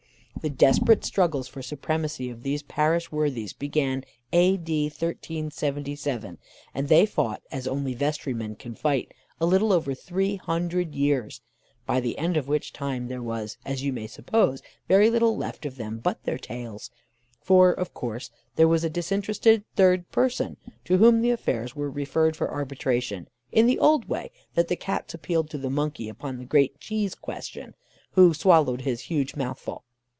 The desperate struggles for supremacy of these parish worthies began A.D. 1377, and they fought, as only vestrymen can fight, a little over three hundred years, by the end of which time there was, as you may suppose, very little left of them but their tails, for, of course, there was a disinterested third person to whom the affairs were referred for arbitration, in the old way that the Cats appealed to the monkey upon the great cheese question who swallowed his huge mouthful.